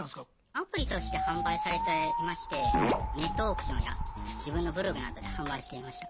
アプリとして販売されていましてネットオークションや自分のブログなどで販売していました。